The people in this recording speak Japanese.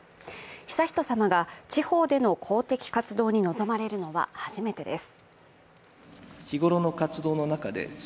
悠仁さまが地方での公的活動に臨まれるのは初めてです。